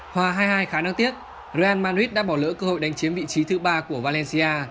hòa hai hai khá đáng tiếc real madrid đã bỏ lỡ cơ hội đánh chiếm vị trí thứ ba của valencia